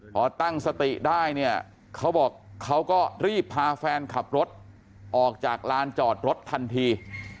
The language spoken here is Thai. พอตั้งสติได้เนี่ยเขาบอกเขาก็รีบพาแฟนขับรถออกจากลานจอดรถทันที